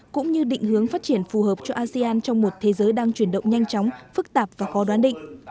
cũng như định hướng phát triển phù hợp cho asean trong một thế giới đang chuyển động nhanh chóng phức tạp và khó đoán định